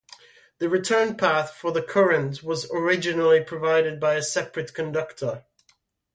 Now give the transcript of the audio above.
The return path for the current was originally provided by a separate conductor.